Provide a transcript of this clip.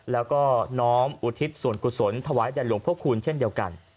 แล้วก็น้อมอุทิศส่วนกุศลถวายแด่หลวงพระคูณเช่นเดียวกัน